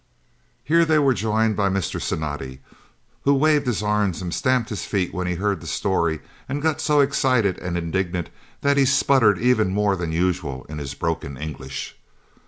Here they were joined by Mr. Cinatti, who waved his arms and stamped his feet when he heard the story, and got so excited and indignant that he spluttered even more than usual in his broken English.